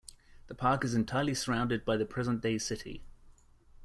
The park is entirely surrounded by the present-day city.